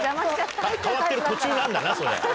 変わってる途中なんだなそれ。